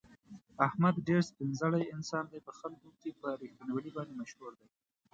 احمد ډېر سپین زړی انسان دی، په خلکو کې په رښتینولي باندې مشهور دی.